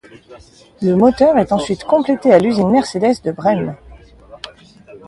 Le moteur est ensuite complété à l'usine Mercedes de Brême.